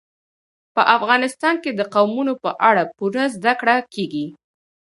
په افغانستان کې د قومونه په اړه پوره زده کړه کېږي.